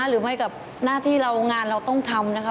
หรือไม่กับหน้าที่เรางานเราต้องทำนะคะ